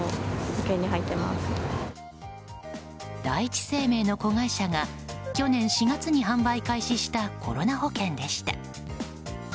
第一生命の子会社が去年４月に販売開始したコロナ保険でした。